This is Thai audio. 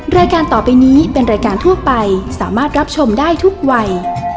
รายการต่อไปนี้เป็นรายการทั่วไปสามารถรับชมได้ทุกวัย